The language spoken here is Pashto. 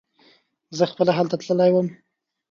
زه خپله هلته تللی وم.